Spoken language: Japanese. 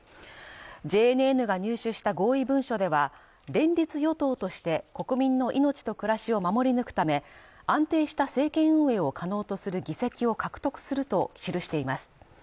ＪＮＮが入手した合意文書では、連立与党として、国民の命と暮らしを守り抜くため、安定した政権運営を可能とする議席を獲得すると記しています。